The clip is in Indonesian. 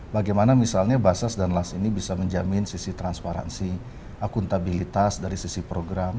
bagaimana misalnya basas dan las ini bisa menjamin sisi transparansi akuntabilitas dari sisi program